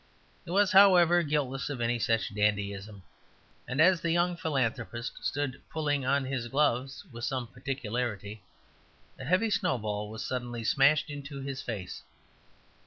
He was, however, guiltless of any such dandyism; and as the young philanthropist stood pulling on his gloves with some particularity, a heavy snowball was suddenly smashed into his face.